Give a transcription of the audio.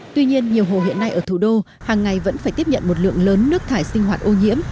tuy nhiên nhiều hồ hiện nay ở thủ đô hàng ngày vẫn phải tiếp nhận một lượng lớn nước thải sinh hoạt ô nhiễm